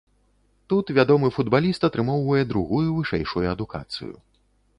Тут вядомы футбаліст атрымоўвае другую вышэйшую адукацыю.